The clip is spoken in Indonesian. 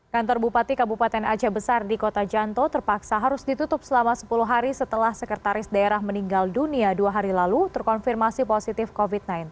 kantor bupati kabupaten aceh besar di kota janto terpaksa harus ditutup selama sepuluh hari setelah sekretaris daerah meninggal dunia dua hari lalu terkonfirmasi positif covid sembilan belas